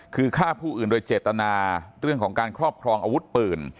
คือฆ่าผู้อื่นโดยเจตนาเรื่องของการครอบครองอาวุธปืน